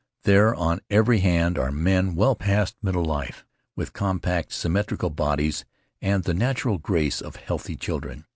There on every hand are men well past middle life, with compact, symmetrical bodies and the natural grace of healthy children.